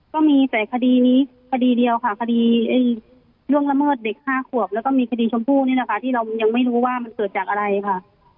ก็มีแต่คดีนี้คดีเดียวค่ะคดีล่วงละเมิดเด็ก๕ขวบแล้วก็มีคดีชมพู่นี่นะคะที่เรายังไม่รู้ว่ามันเกิดจากอะไรค่ะ